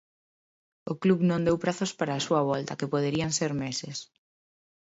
O club non deu prazos para a súa volta, que poderían ser meses.